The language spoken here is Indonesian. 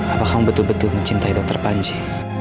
apakah kamu betul betul mencintai dokter panji